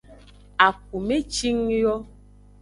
Akume cing yo.